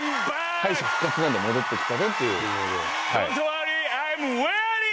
敗者復活なんで「戻ってきたぞ」という。